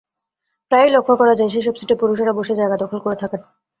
প্রায়ই লক্ষ করা যায়, সেসব সিটে পুরুষেরা বসে জায়গা দখল করে থাকেন।